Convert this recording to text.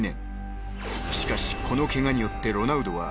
［しかしこのケガによってロナウドは］